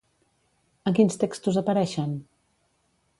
En quins textos apareixen?